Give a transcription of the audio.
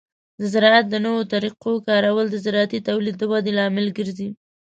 د زراعت د نوو طریقو کارول د زراعتي تولید د ودې لامل ګرځي.